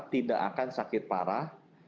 tidak akan sakit parah